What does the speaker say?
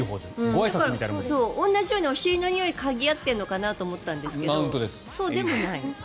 同じようにお尻のにおいを嗅ぎ合っているのかなと思ったらそうでもない。